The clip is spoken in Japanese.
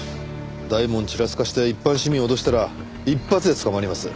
代紋ちらつかせて一般市民を脅したら一発で捕まります。